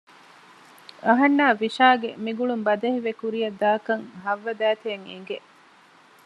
އަހަންނާ ވިޝާގެ މި ގުޅުން ބަދަހިވެ ކުރިޔަށްދާކަން ހައްވަ ދައިތައަށް އެނގެ